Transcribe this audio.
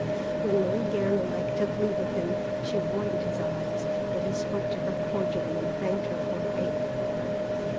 When Marie Guernalec took leave of him, she avoided his eyes, but he spoke to her cordially and thanked her for her aid.